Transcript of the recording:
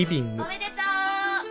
おめでとう！